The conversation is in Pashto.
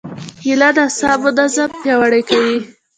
کېله د اعصابو نظام پیاوړی کوي.